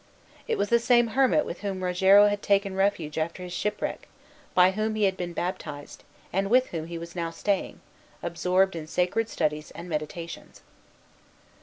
It was the same hermit with whom Rogero had taken refuge after his shipwreck, by whom he had been baptized, and with whom he was now staying, absorbed in sacred studies and meditations.